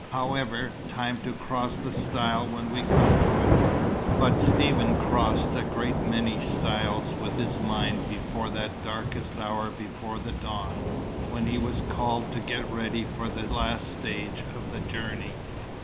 However time to cross the stile when we come to it." But Stephen crossed a great many stiles with his mind before that darkest hour before the dawn, when he was called to get ready for the last stage of the journey.